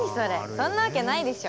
そんなわけないでしょ。